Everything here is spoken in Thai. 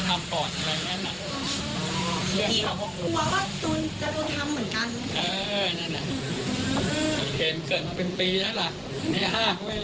ห้ามไปหลายครั้งแล้วว่าไม่ให้มันเกิดอะไรขึ้น